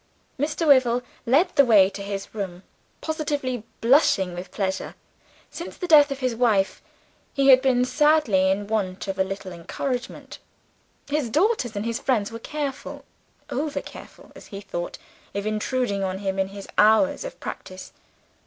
Mr. Wyvil led the way to his room, positively blushing with pleasure. Since the death of his wife he had been sadly in want of a little encouragement. His daughters and his friends were careful over careful, as he thought of intruding on him in his hours of practice.